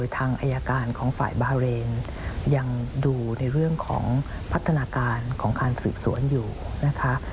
ทางอายการของฝ่ายบาเรนยังดูในเรื่องของพัฒนาการของการสืบสวนอยู่นะคะ